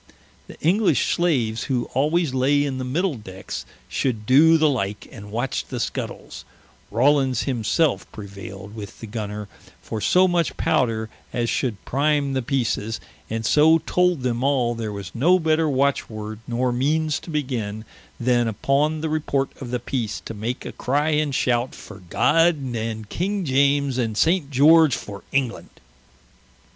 The English slaves, who always lay in the middle Decks, should doe the like, and watch the Scuttels: Rawlins himselfe prevayled with the Gunner, for so much Powder, as should prime the Peeces, and so told them all there was no better watch word, nor meanes to begin, then upon the report of the Peece to make a cry and shout, for God, and King Iames, and Saint George for England!